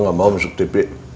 gue gak mau masuk tv